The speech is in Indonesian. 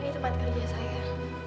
ini tempat kerja saya